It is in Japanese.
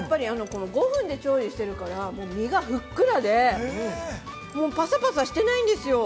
◆５分で調理しているから身がふっくらでパサパサしてないんですよ。